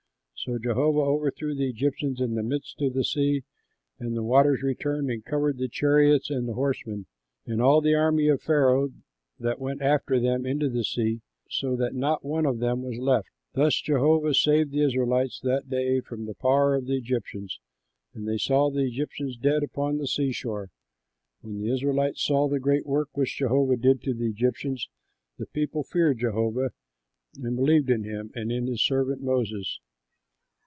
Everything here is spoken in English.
So Jehovah overthrew the Egyptians in the midst of the sea, and the waters returned and covered the chariots and the horsemen, and all the army of Pharaoh that went after them into the sea, so that not one of them was left. Thus Jehovah saved the Israelites that day from the power of the Egyptians; and they saw the Egyptians dead upon the seashore. When the Israelites saw the great work which Jehovah did to the Egyptians, the people feared Jehovah and believed in him and in his servant Moses.